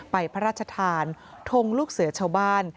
พระราชทานทงลูกเสือชาวบ้าน